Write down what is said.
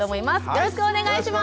よろしくお願いします。